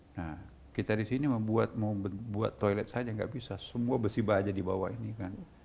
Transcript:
nah kita di sini membuat mau buat toilet saja nggak bisa semua besi baja di bawah ini kan